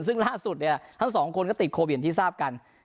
ซึ่งล่าสุดเนี่ยทั้งสองคนก็ติดโควิดอย่างที่ทราบกัน